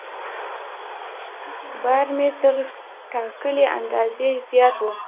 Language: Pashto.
بار مې تر ټاکلي اندازې زیات و.